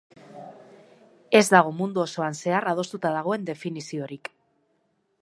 Ez dago mundu osoan zehar adostuta dagoen definiziorik.